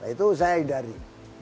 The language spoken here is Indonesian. itu saya hindari